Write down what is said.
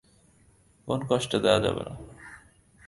কোন কষ্ট দেয়া যাবে না।